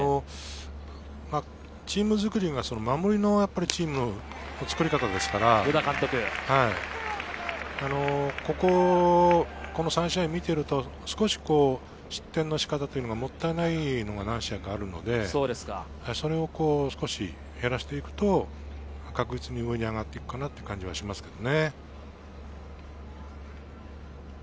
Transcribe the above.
チーム作りが守りのチームの作り方ですから、この３試合を見ていると少し失点の仕方というのがもったいないのが何試合かあるので、それを少し減らしていくと確実に上に上がるかなっていう感じがしますよね。